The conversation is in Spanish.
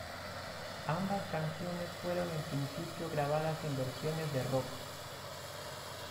Ambas canciones fueron en principio grabadas en versiones de rock.